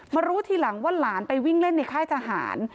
รู้ทีหลังว่าหลานไปวิ่งเล่นในค่ายทหาร